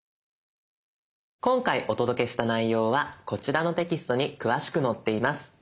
今回お届けした内容はこちらのテキストに詳しく載っています。